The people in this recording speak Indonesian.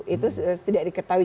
itu tidak diketahui